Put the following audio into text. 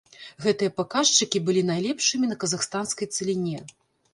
Гэтыя паказчыкі былі найлепшымі на казахстанскай цаліне.